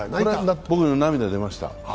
僕も涙出ました。